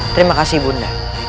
terima kasih bunda